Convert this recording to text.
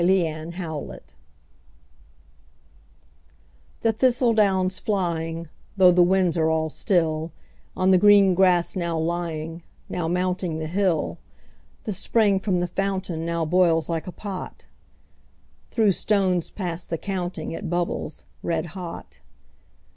Autumn The thistle down's flying, though the winds are all still, On the green grass now lying, now mounting the hill, The spring from the fountain now boils like a pot; Through stones past the counting it bubbles red hot.